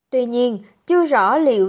tuy nhiên chưa rõ liệu